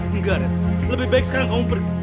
enggak red lebih baik sekarang kamu pergi